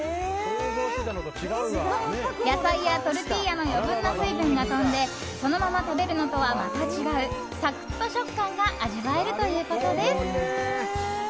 野菜やトルティーヤの余分な水分が飛んでそのまま食べるのとはまた違うサクッと食感が味わえるということです。